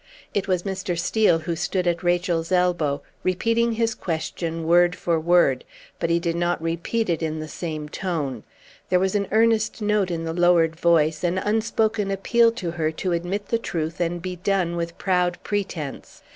It was Mr. Steel who stood at Rachel's elbow, repeating his question word for word; but he did not repeat it in the same tone. There was an earnest note in the lowered voice, an unspoken appeal to her to admit the truth and be done with proud pretence.